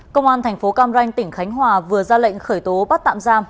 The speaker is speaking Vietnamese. công an tp cam ranh tỉnh khánh hòa vừa ra lệnh khởi tố bắt tạm giam